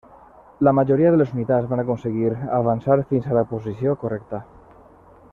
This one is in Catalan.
La majoria de les unitats van aconseguir avançar fins a la posició correcta.